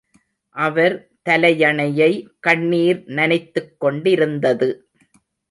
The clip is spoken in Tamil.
அவர் தலையணையை கண்ணீர் நனைத்துக்கொண்டிருந்தது.